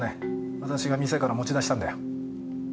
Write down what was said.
私が店から持ち出したんだよ。